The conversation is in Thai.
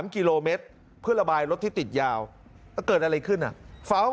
๓กิโลเมตรเพื่อระบายรถที่ติดยาวเกิดอะไรขึ้นเฝ้า